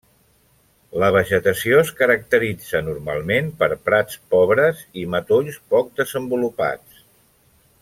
La vegetació es caracteritza normalment per prats pobres i matolls poc desenvolupats.